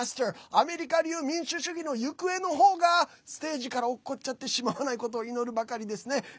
アメリカ流民主主義の行方の方がステージから落っこっちゃってしまわないことを祈るばかりです。